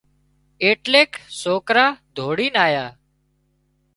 ايٽليڪ سوڪرا ڌوڙينَ آيا